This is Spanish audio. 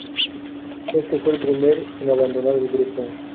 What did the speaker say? Este fue el primero en abandonar el grupo.